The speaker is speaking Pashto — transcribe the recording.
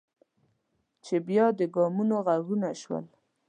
چې بیا د ګامونو غږونه شول.